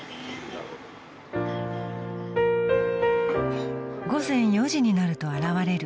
［午前４時になると現れる］